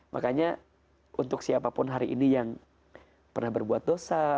makanya untuk siapapun hari ini yang pernah berbuat dosa